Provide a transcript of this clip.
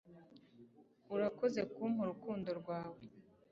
urakoze kumpa urukundo rwawe